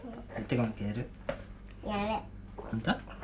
本当？